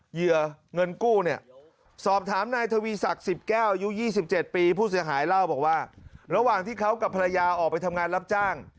เหยื่อเงินกู้เนี่ยสอบถามนายทวีศักดิ์๑๐แก้วอายุ๒๗ปีผู้เสียหายเล่าบอกว่าระหว่างที่เขากับภรรยาออกไปทำงานรับจ้าง